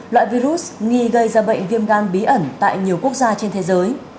loại virus nghi gây ra bệnh viêm gan bí ẩn tại nhiều quốc gia trên thế giới